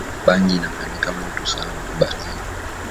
Bangi inafanyaka mutu sa wa bazimu